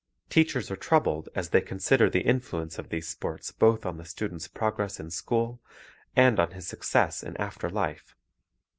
Teachers are troubled as they consider the influence of these sports both on the student's progress in school and on his success in after life.